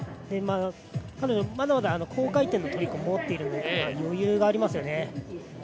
まだまだ高回転のトリックを持っているので余裕がありますよね。